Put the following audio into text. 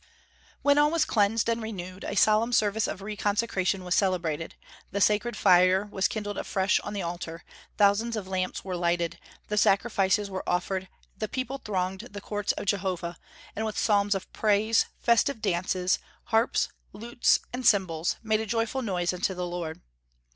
When all was cleansed and renewed, a solemn service of reconsecration was celebrated; the sacred fire was kindled afresh on the altar, thousands of lamps were lighted, the sacrifices were offered, the people thronged the courts of Jehovah, and with psalms of praise, festive dances, harps, lutes, and cymbals made a joyful noise unto the Lord.